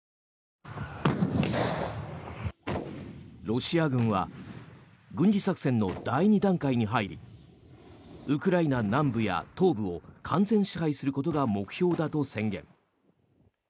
ロシア軍は軍事作戦の第２段階に入りウクライナ南部や東部を完全支配することが目標だと宣言。